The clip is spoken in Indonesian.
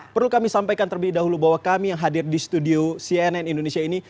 perlu kami sampaikan terlebih dahulu bahwa kami yang hadir di studio cnn indonesia ini